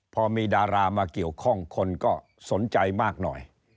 พอมีดารามาเกี่ยวข้องคนก็สนใจมากหน่อย